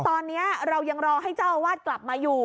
ตอนนี้เรายังรอให้เจ้าอาวาสกลับมาอยู่